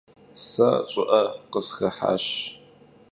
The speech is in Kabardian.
Se ş'ı'e khısxıhaş.